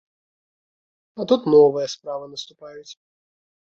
А тут новыя справы наступаюць.